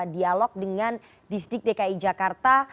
dialog dengan distrik dki jakarta